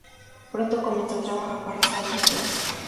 Pronto comenzó a trabajar para Sadler Bros.